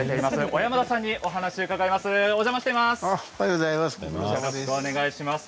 小山田さんにお話を伺います。